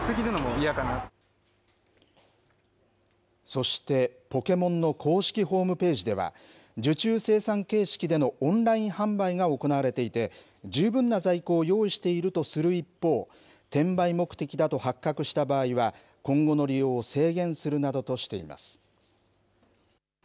そして、ポケモンの公式ホームページでは、受注生産形式でのオンライン販売が行われていて、十分な在庫を用意しているとする一方、転売目的だと発覚した場合は、今後の利用を制限するなどとしています。